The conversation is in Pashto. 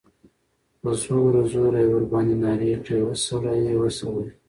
په زوره، زوره ئی ورباندي نارې کړې ، وسړیه! وسړیه!